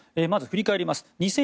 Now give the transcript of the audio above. まず、振り返ります。